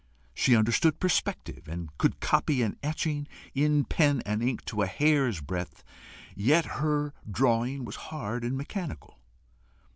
She understood perspective, and could copy an etching, in pen and ink, to a hair's breadth, yet her drawing was hard and mechanical.